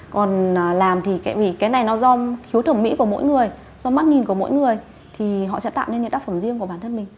còn làm thì cái này nó do hiếu thẩm mỹ của mỗi người do mắt nhìn của mỗi người thì họ sẽ tạo ra những đáp phẩm riêng của bản thân mình